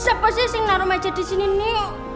kenapa sih sing naro meja disini nih